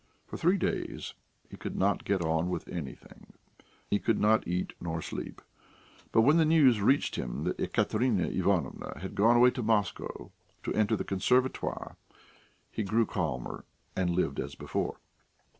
For three days he could not get on with anything, he could not eat nor sleep; but when the news reached him that Ekaterina Ivanovna had gone away to Moscow to enter the Conservatoire, he grew calmer and lived as before.